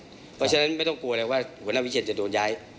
เพราะฉะนั้นไม่ต้องกลัวเลยว่าหัวหน้าวิเชียนจะโดนย้าย